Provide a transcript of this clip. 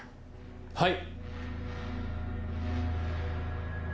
はい！